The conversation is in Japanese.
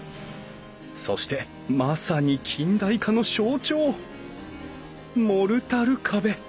そしてまさに近代化の象徴モルタル壁！